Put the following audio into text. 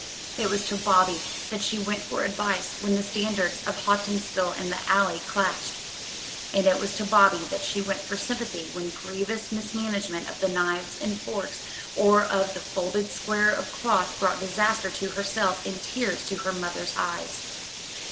It was to Bobby that she went for advice when the standards of Houghtonsville and the Alley clashed; and it was to Bobby that she went for sympathy when grievous mismanagement of the knives and forks or of the folded square of cloth brought disaster to herself and tears to her mother's eyes.